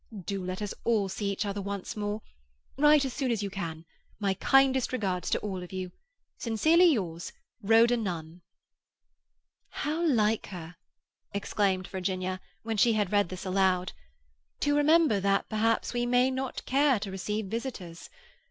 Do let us all see each other once more. Write as soon as you can. My kindest regards to all of you.—Sincerely yours, RHODA NUNN." "How like her," exclaimed Virginia, when she had read this aloud, "to remember that perhaps we may not care to receive visitors!